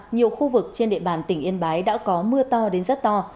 nhiều khu vực trên địa bàn tỉnh yên bái đã có mưa to đến rất to